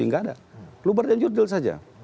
tidak ada luber dan judul saja